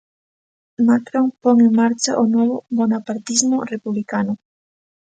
'Macron pon en marcha o novo bonapartismo republicano'.